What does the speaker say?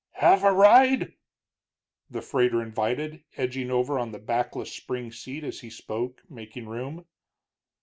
"Have a ride?" the freighter invited, edging over on the backless spring seat as he spoke, making room.